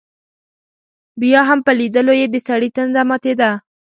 بیا هم په لیدلو یې دسړي تنده ماتېده.